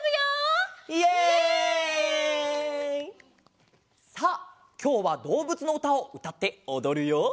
イエイ！さあきょうはどうぶつのうたをうたっておどるよ。